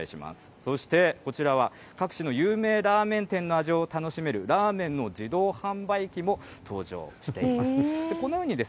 そして、こちらは各地の有名ラーメン店の味を楽しめる、ラーメンの自動販売機も登場しています。